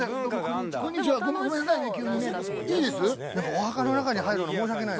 お墓の中に入るの申し訳ない。